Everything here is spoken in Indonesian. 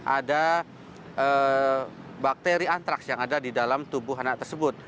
ada bakteri antraks yang ada di dalam tubuh anak tersebut